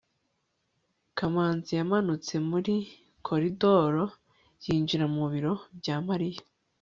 kamanzi yamanutse muri koridoro yinjira mu biro bya mariya